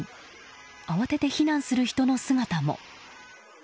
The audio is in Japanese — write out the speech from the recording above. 慌てて避難する人の姿も。